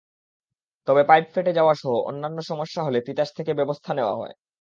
তবে পাইপ ফেটে যাওয়াসহ অন্যান্য সমস্যা হলে তিতাস থেকে ব্যবস্থা নেওয়া হয়।